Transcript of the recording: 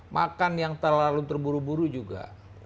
makan yang terlalu terburu buru juga